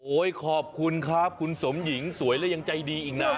ขอบคุณครับคุณสมหญิงสวยและยังใจดีอีกนะ